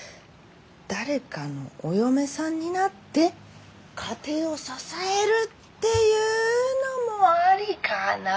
誰かのお嫁さんになって家庭を支えるっていうのもありかなと。